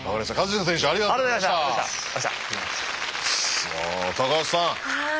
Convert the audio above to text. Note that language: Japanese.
さあ橋さん。